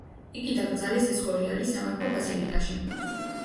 იგი დაკრძალეს ესკორიალის სამეფო ბაზილიკაში.